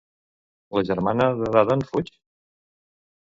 La germana de Dadan fuig?